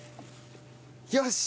よし！